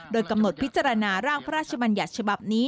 โดยกำหนดพิจารณาร่างพระราชบัญญัติฉบับนี้